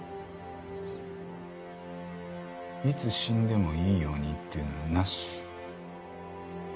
「いつ死んでもいいように」っていうのはなし！